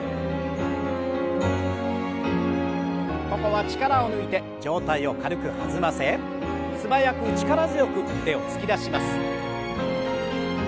ここは力を抜いて上体を軽く弾ませ素早く力強く腕を突き出します。